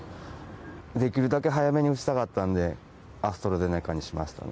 できるだけ早めに打ちたかったんでアストラゼネカにしましたね。